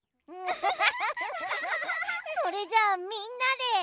それじゃあみんなで。